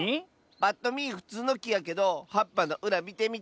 ぱっとみふつうのきやけどはっぱのうらみてみて。